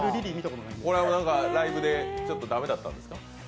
これ、ライブでちょっと駄目だったんですか。